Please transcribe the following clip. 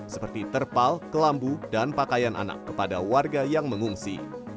seperti terpal kelambu dan pakaian anak kepada warga yang mengungsi